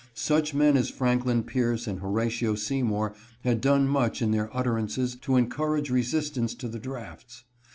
Such men as Franklin Pierce and Horatio Seymour had done much in their utterances to encourage resistance to the drafts.